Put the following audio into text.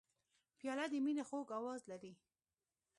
پیاله د مینې خوږ آواز لري.